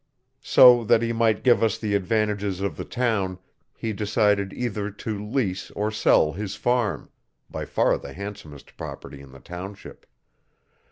So, that he might give us the advantages of the town, he decided either to lease or sell his farm by far the handsomest property in the township.